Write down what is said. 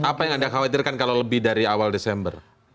apa yang anda khawatirkan kalau lebih dari awal desember